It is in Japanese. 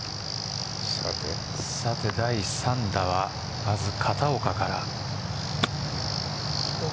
さて第３打はまず片岡から。